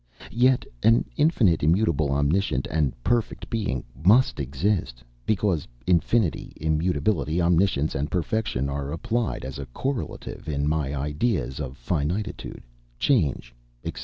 Yet an infinite, immutable, omniscient, and perfect being must exist, because infinity, immutability, omniscience, and perfection are applied as correlatives in my ideas of finitude, change, etc.